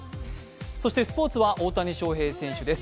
そしてスポーツは大谷翔平選手です。